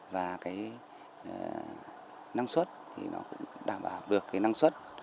và cái năng suất thì nó cũng đảm bảo được cái năng suất